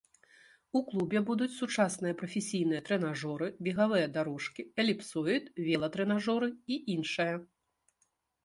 У клубе будуць сучасныя прафесійныя трэнажоры, бегавыя дарожкі, эліпсоід, велатрэнажоры і іншае.